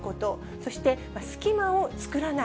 そして隙間を作らない。